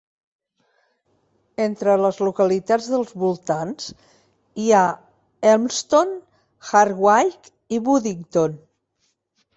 Entre les localitats dels voltants hi ha Elmstone-Hardwicke i Boodington.